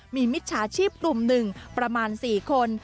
มีมิจฉาชีพปรุ่ม๑ประมาณ๔คน